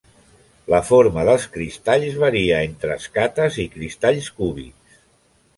La forma dels cristalls varia entre escates i cristalls cúbics.